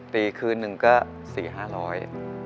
ปีคืนนึงก็สี่ห้าร้อย